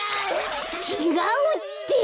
ちちがうって！